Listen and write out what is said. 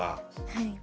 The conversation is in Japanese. はい。